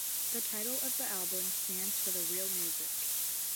The title of the album stands for the real music.